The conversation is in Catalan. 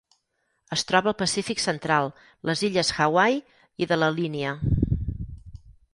Es troba al Pacífic central: les illes Hawaii i de la Línia.